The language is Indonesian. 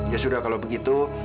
ya sudah kalau begitu